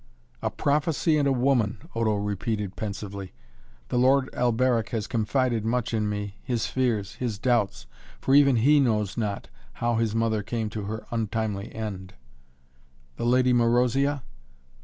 "A prophecy and a woman," Odo repeated pensively. "The Lord Alberic has confided much in me his fears his doubts! For even he knows not, how his mother came to her untimely end." "The Lady Marozia?"